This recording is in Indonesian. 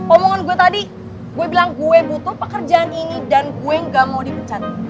omongan gue tadi gue bilang gue butuh pekerjaan ini dan gue gak mau dipecat